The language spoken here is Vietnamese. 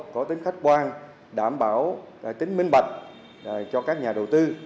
có tính khách quan đảm bảo tính minh bạch cho các nhà đầu tư